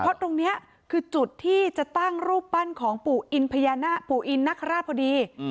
เพราะตรงนี้คือจุดที่จะตั้งรูปปั้นของปู่อินพญานาคปู่อินนคราชพอดี